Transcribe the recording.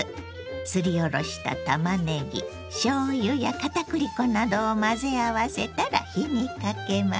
すりおろしたたまねぎしょうゆや片栗粉などを混ぜ合わせたら火にかけます。